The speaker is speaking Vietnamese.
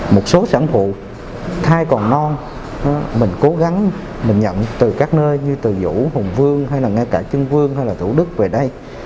một số sản phụ thai còn ngon mình cố gắng mình nhận từ các nơi như từ vũ hùng vương hay là ngay cả trưng vương hay là thủ đức về đây